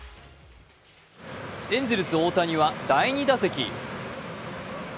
エンゼルス・大谷は第２打席。